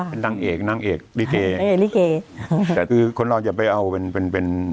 เป็นนางเอกนางเอกนางเอกแต่คือคนเราจะไปเอาเป็นเป็นเป็น